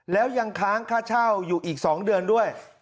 แล้วยังค้างค่าเช่าอยู่อีก๒เดือนด้วย